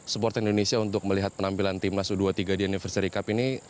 support indonesia untuk melihat penampilan timnas u dua puluh tiga di anniversary cup ini